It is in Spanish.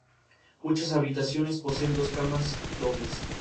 Muchas habitaciones poseen dos camas dobles.